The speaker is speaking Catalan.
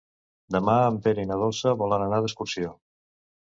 Demà en Pere i na Dolça volen anar d'excursió.